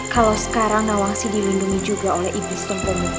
kalau sekarang nawansi dilindungi juga oleh iblis tumpeng muka